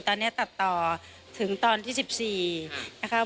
ตอนนี้ตัดต่อถึงวันที่๑๔นะคะ